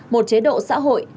một chế độ xã hội